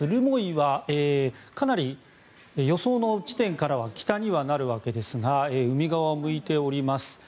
留萌はかなり予想の地点からは北にはなるわけですが海側を向いております。